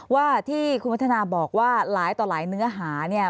ว่าที่คุณวัฒนาบอกว่าหลายต่อหลายเนื้อหาเนี่ย